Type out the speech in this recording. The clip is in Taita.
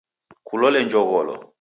Kulole njogholo.